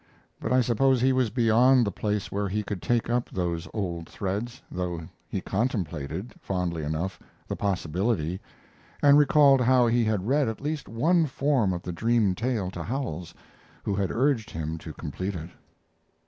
But I suppose he was beyond the place where he could take up those old threads, though he contemplated, fondly enough, the possibility, and recalled how he had read at least one form of the dream tale to Howells, who had urged him to complete it.